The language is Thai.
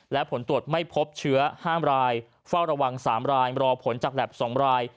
และผลตรวจไม่พบเชื้อ๕รายเฝ้าระวัง๓รายรอผลจากแหลป๒ราย